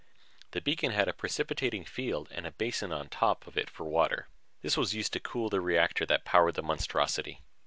The beacon had a precipitating field and a basin on top of it for water; this was used to cool the reactor that powered the monstrosity.